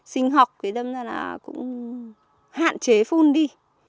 sinh học thì đâm ra là cũng hạn chế phun đi